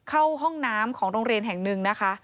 เข้าห้องน้ำของโรงเรียนแห่งหนึ่งนะคะ